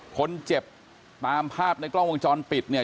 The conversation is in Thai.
คนเจ็บตามภาพในกล้องวงจรปิดเนี่ย